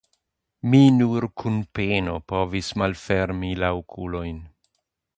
Mi nur kun peno povis malfermi la okulojn.